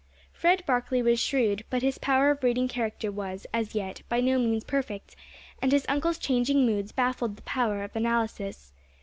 Fred Barkley was shrewd, but his power of reading character was, as yet, by no means perfect, and his uncle's changing moods baffled the power of analysis.